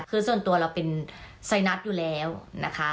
คือส่วนตัวเราเป็นไซนัสอยู่แล้วนะคะ